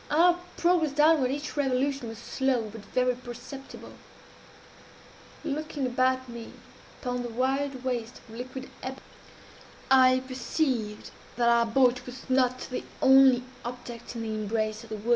Our progress downward, at each revolution, was slow, but very perceptible. "Looking about me upon the wide waste of liquid ebony on which we were thus borne, I perceived that our boat was not the only object in the embrace of the whirl.